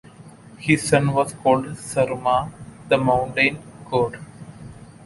His son was called Sarruma, the mountain god.